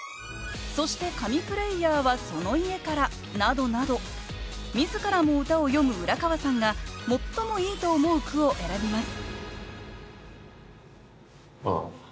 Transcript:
「そして神プレイヤーはその家から」などなど自らも歌を詠む浦川さんが最もいいと思う句を選びます